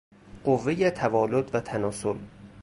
قوهٌ توالد و تناسل